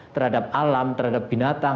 terhadap alam terhadap binatang